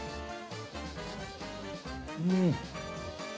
うん。